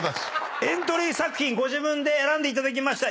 エントリー作品ご自分で選んでいただきました。